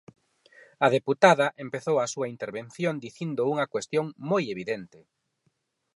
A deputada empezou a súa intervención dicindo unha cuestión moi evidente.